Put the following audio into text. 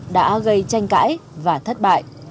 đã gây tranh cãi và thất bại